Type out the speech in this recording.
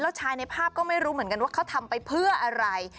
ชายในภาพก็ไม่รู้เหมือนกันว่าเขาทำไปเพื่ออะไร